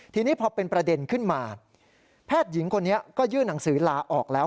ทีนี้พอเป็นประเด็นขึ้นมาแพทย์หญิงคนนี้ก็ยื่นหนังสือลาออกแล้ว